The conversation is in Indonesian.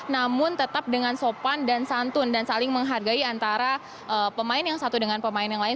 namun tetap dengan sopan dan santun dan saling menghargai antara pemain yang satu dengan pemain yang lain